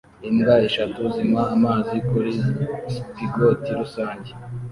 Imbwa eshatu zinywa amazi kuri spigot rusange